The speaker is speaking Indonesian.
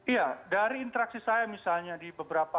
iya dari interaksi saya misalnya di beberapa